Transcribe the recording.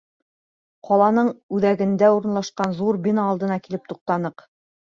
Ҡаланың үҙәгендә урынлашҡан ҙур бина алдына килеп туҡтаныҡ.